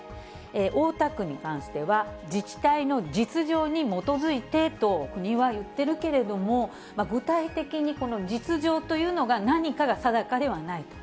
大田区に関しては、自治体の実情に基づいてと、国は言っているけれども、具体的にこの実情というのが何かが定かではないと。